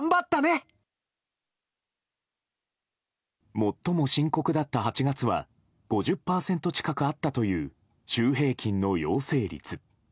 最も深刻だった８月は５０％近くあったという週平均の陽性率。